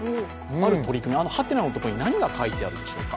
この取り組み？のところに何が書いてあるでしょうか。